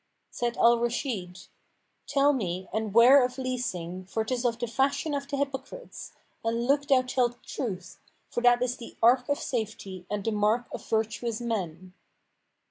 Said Al Rashid, "Tell me and 'ware of leasing, for 'tis of the fashion of the hypocrites, and look thou tell truth, for that is the Ark[FN#486] of safety and the mark of virtuous men."